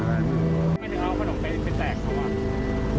ทำไมไม่เอาผนกเป็นไปแจกเขา